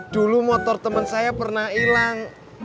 dulu motor teman saya pernah hilang